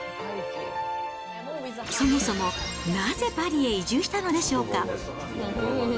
そもそもなぜパリへ移住したのでしょうか。